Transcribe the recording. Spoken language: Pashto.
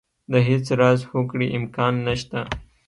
د هېڅ راز هوکړې امکان نه شته.